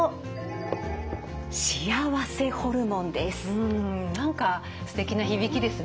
うん何かすてきな響きですね。